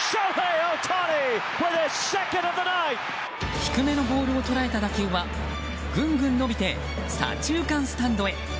低めのボールを捉えた打球はぐんぐん伸びて左中間スタンドへ。